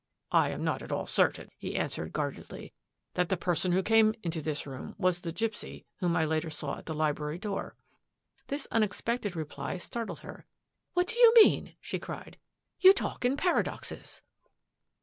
"" I am not at all certain," he answered guard edly, ^* that the person who came into this room was the gipsy whom I saw later at the library door." This unexpected reply startled her. " What do you mean ?" she cried. " You talk in para doxes."